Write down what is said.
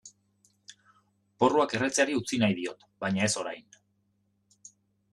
Porruak erretzeari utzi nahi diot baina ez orain.